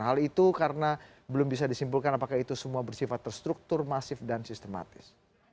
hal itu karena belum bisa disimpulkan apakah itu semua bersifat terstruktur masif dan sistematis